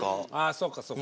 そうかそうか。